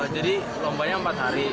jadi rombanya empat hari